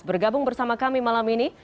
bergabung bersama kami malam ini